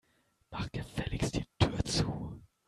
Mach gefälligst die Tür zu.